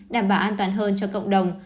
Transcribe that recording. đảm bảo an toàn hơn cho cộng đồng